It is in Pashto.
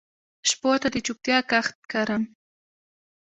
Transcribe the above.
شپو ته د چوپتیا کښت کرم